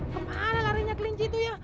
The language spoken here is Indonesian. kemana larinya kelinci itu ya